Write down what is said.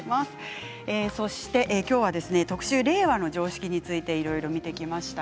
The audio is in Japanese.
きょうは令和の常識についていろいろ見てきました。